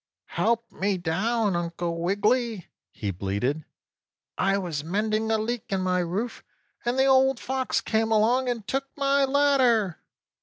"Help me down, Uncle Wiggily!" he bleated. "I was mending a leak in my roof, and the Old Fox came along and took my ladder."